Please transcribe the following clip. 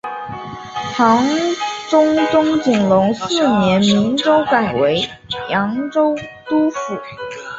唐中宗景龙四年明州改属播州都督府。